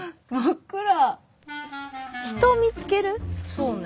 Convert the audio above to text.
そうね。